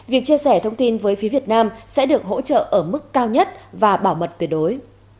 việc chia sẻ thông tin với phía việt nam sẽ được hỗ trợ ở mức cao nhất và bảo mật tuyệt đối